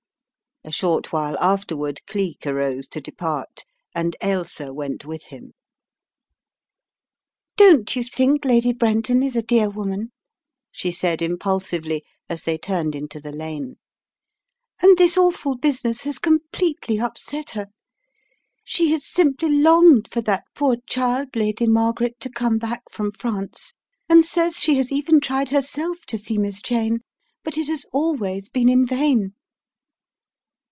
A short while afterward Cleek arose to depart and Ailsa went with him. The Plot Thickens 163 ••Don't you think Lady Brenton is a dear woman?" the said, impulsively, as they turned into the lane, "and this awful business has completely upset her. She has simply longed for that poor child, Lady Mar garet, to come back from France, and says she has even tried herself to see Miss Cheyne, but it has al ways been in vain."